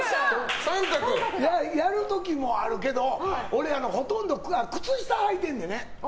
やる時もあるけど俺、ほとんど靴下履いてんねん。